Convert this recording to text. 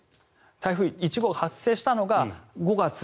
台風１号が発生したのが５月。